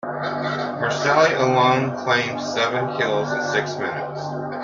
Marseille alone claimed seven kills in six minutes.